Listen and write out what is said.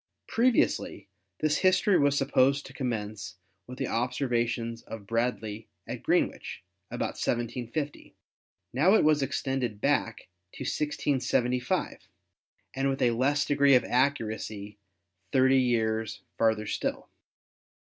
Previously this history was supposed to commence with the observations of Bradley at Greenwich, about 1750; now it was extended back to 1675, and with a less degree of accuracy thirty years far ther still.